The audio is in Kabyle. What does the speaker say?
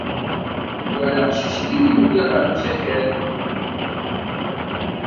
Nwala aqcic-nni mi yuli ɣer usakal.